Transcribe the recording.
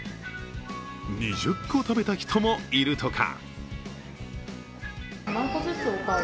２０個食べた人もいるとか。